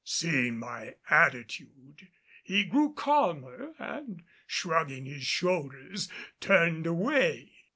Seeing my attitude, he grew calmer and shrugging his shoulders, turned away.